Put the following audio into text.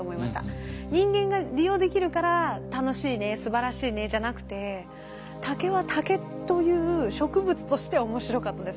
人間が利用できるから楽しいねすばらしいねじゃなくて竹は竹という植物として面白かったです。